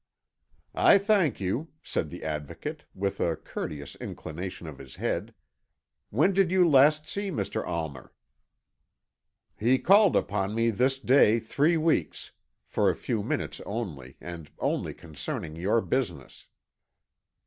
"I thank you," said the Advocate, with a courteous inclination of his head. "When did you last see Mr. Almer?" "He called upon me this day three weeks for a few minutes only, and only concerning your business."